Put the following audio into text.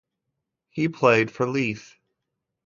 He played for Leith.